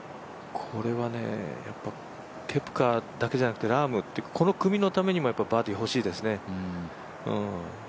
これはケプカだけじゃなくてラーム、この組のためにもやっぱりバーディー欲しいですね。